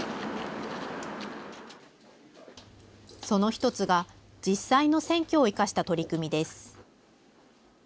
その一つが実際の選挙を生かした取り組みです。